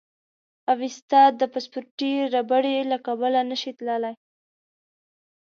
اوېستا د پاسپورتي ربړې له کبله نه شي تللی.